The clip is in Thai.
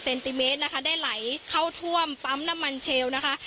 ติเมตรนะคะได้ไหลเข้าท่วมปั๊มน้ำมันเชลล์นะคะ